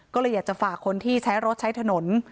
ก็เลยอยากจะฝากคนที่ใช้รถใช้ถนน